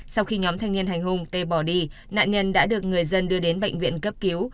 sau khi nhóm thanh niên hành hung tê bỏ đi nạn nhân đã được người dân đưa đến bệnh viện cấp cứu